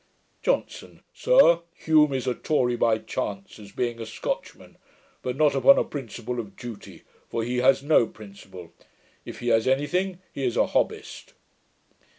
JOHNSON. 'Sir, Hume is a Tory by chance, as being a Scotchman; but not upon a principle of duty; for he has no principle. If he is any thing, he is a Hobbist.'